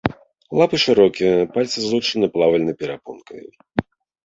Лапы шырокія, пальцы злучаны плавальнай перапонкай.